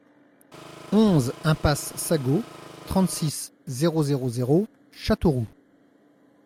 onze impasse Sagot, trente-six, zéro zéro zéro, Châteauroux